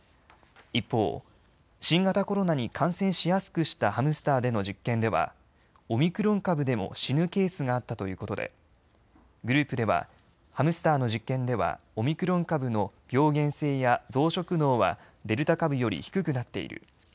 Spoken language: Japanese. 一方、新型コロナに感染しやすくしたハムスターでの実験ではオミクロン株でも死ぬケースがあったということでグループではハムスターの実験ではオミクロン株の病原性や増殖能はデルタ株より低くなっている。